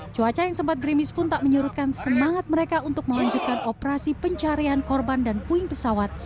cuaca yang sempat grimis pun tak menyurutkan semangat mereka untuk melanjutkan operasi pencarian korban dan puing pesawat